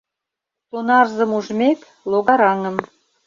Сонарзым ужмек, логараҥым